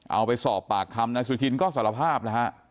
เอาไปสอบปากคำนายสุชินก็สารภาพแล้วฮะ